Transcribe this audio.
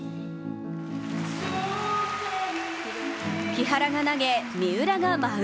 木原が投げ、三浦が舞う。